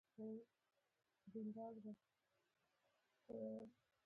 د انقرې ښار پاک او ارام دی.